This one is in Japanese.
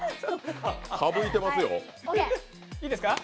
歌舞いてますよ。